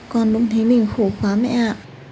con luôn thấy mình khổ quá mẹ ạ